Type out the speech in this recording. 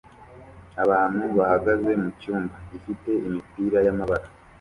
Abantu bahagaze mucyumba gifite imipira y'amabara